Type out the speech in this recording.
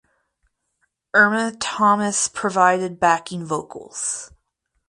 Irma Thomas provided backing vocals.